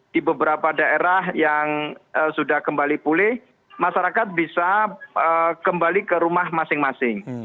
di beberapa daerah yang sudah kembali pulih masyarakat bisa kembali ke rumah masing masing